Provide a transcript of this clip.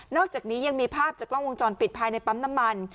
อกจากนี้ยังมีภาพจากกล้องวงจรปิดภายในปั๊มน้ำมัน